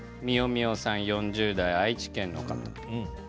４０代、愛知県の方です。